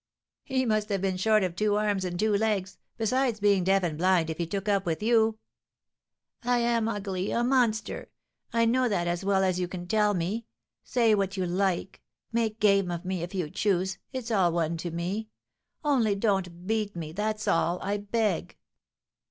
"He must have been short of two arms and two legs, besides being deaf and blind, if he took up with you." "I am ugly, a monster, I know that as well as you can tell me. Say what you like, make game of me, if you choose, it's all one to me; only don't beat me, that's all, I beg!"